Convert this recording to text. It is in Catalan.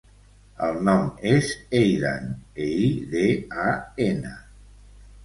El nom és Eidan: e, i, de, a, ena.